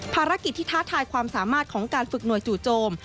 ภารกิจที่ท้าทายความสามารถของการฝึกหน่วยจู่โจม